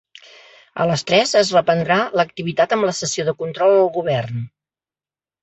A les tres es reprendrà l’activitat amb la sessió de control al govern.